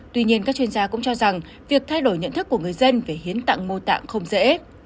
tuy nhiên các chuyên gia cũng cho rằng việc thay đổi nhận thức của người dân về hiến tạng mô tạng không dễ